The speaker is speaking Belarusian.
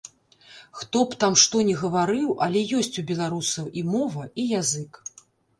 Хто б там што ні гаварыў, але ёсць у беларусаў і мова, і язык.